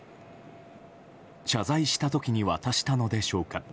謝罪した時に渡したのでしょうか。